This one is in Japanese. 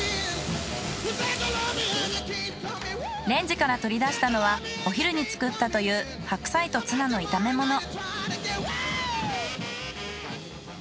レンジから取り出したのはお昼に作ったという白菜とツナの炒め物。